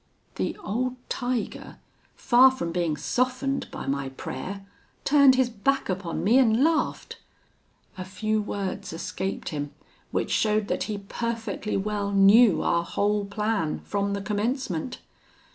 "The old tiger, far from being softened by my prayer, turned his back upon me and laughed. A few words escaped him, which showed that he perfectly well knew our whole plan from the commencement.